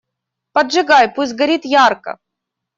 Поджигай, пусть горит ярко!